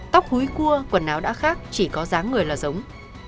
tóc húi cua quần áo đã khác chỉ có dáng người là giống